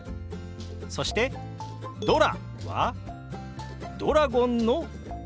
そして「ドラ」はドラゴンの「ドラ」。